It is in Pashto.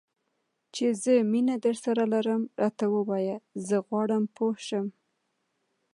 چې زه مینه درسره لرم؟ راته ووایه، زه غواړم پوه شم.